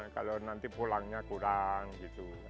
kalau nanti pulangnya kurang gitu